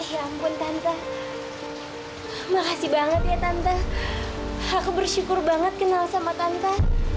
ya ampun tanta makasih banget ya tanta aku bersyukur banget kenal sama tante